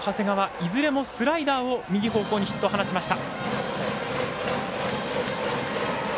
いずれもスライダーを右方向にヒット放ちました。